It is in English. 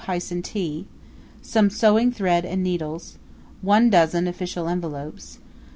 Hyson tea. Some sewing thread and needles. 1 dozen official envelopes.